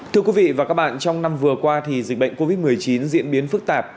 thưa quý vị và các bạn trong năm vừa qua thì dịch bệnh covid một mươi chín diễn biến phức tạp